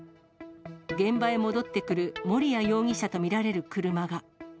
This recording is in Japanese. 現場へ戻ってくる森谷容疑者と見られる車が。